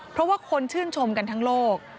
เพราะว่าคนชื่นชมกันทั้งโลก